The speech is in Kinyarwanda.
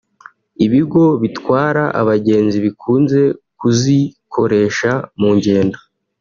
ibigo bitwara abagenzi bikunze kuzikoresha mu ngendo